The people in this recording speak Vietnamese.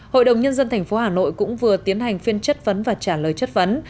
hội đồng nhân dân tp hà nội cũng vừa tiến hành phiên chất vấn và trả lời chất vấn